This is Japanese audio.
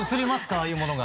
ああいうものが。